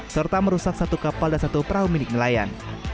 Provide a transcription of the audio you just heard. serta merusak satu kapal dan satu perahu milik nelayan